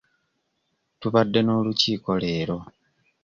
Tubadde n'olukiiko leero.